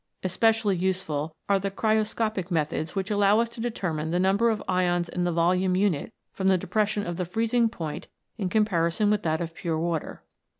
Especi ally useful are the cryoscopic methods which allow us to determine the number of ions in the volume unit from the depression of the freezing point in comparison with that of pure water.